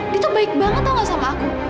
dia tuh baik banget tau gak sama aku